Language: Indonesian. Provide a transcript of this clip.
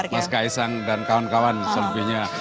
mas kaisang dan kawan kawan selebihnya